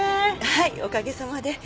はいおかげさまで。